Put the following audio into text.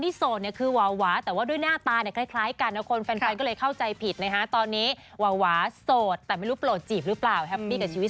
แต่ว่าด้วยหน้าตาก็คล้ายกันแล้วแฟนเลยเข้าใจผิดนะฮะ